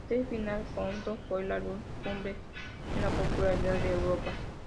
The Final Countdown fue el álbum cumbre en la popularidad de Europe.